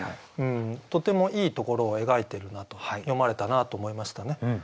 とてもいいところを描いてるなと詠まれたなと思いましたね。